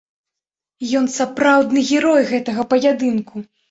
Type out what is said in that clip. Ён сапраўдны герой гэтага паядынку.